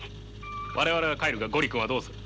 我々は帰るが五里君はどうする？